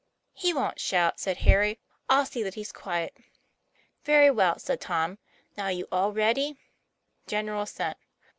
"He wont shout," said Harry; "I'll see that he's quiet." " Very well, " said Tom. " Now, are you all ready ?" General assent.